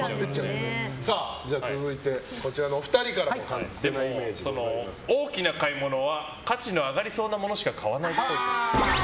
じゃあ続いてこちらのお二人からも大きな買い物は価値の上がりそうなものしか買わないっぽい。